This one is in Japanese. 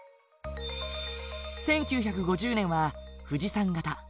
１９５０年は富士山型。